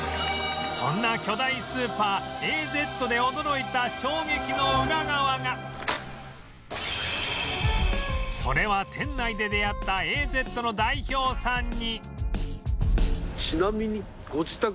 そんな巨大スーパー Ａ−Ｚ で驚いたそれは店内で出会った Ａ−Ｚ の代表さんに